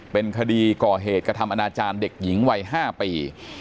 เป็นคดีก่อเหตุกระทำอนาจารย์เด็กหญิงวัย๕ปี